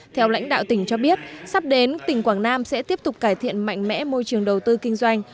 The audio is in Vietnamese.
theo lãnh đạo tỉnh cho biết sắp đến tỉnh quảng nam sẽ tiếp tục cải thiện mạnh mẽ môi trường đầu tư kinh doanh